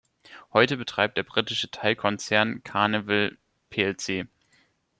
Heute betreibt der britische Teilkonzern "Carnival plc.